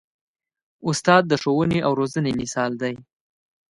استاد د ښوونې او روزنې مثال دی.